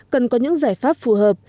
cần có những giải pháp phù hợp